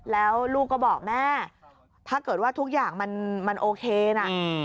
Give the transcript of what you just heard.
แล้วลูกก็บอกแม่ถ้าเกิดว่าทุกอย่างมันโอเคนะ